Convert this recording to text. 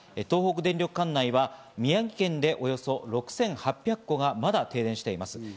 東北電力管内は、宮城県でおよそ６８００戸がまだ停電しています。